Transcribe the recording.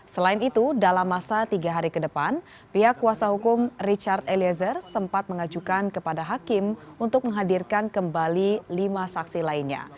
selain itu dalam masa tiga hari ke depan pihak kuasa hukum richard eliezer sempat mengajukan kepada hakim untuk menghadirkan kembali lima saksi lainnya